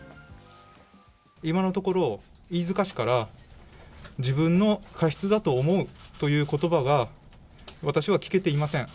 今のところ、飯塚氏から自分の過失だと思うという言葉が私は聞けていません。